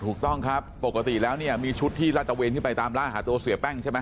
ถูกต้องครับปกติแล้วเนี่ยมีชุดที่ลาตะเวนขึ้นไปตามล่าหาตัวเสียแป้งใช่ไหม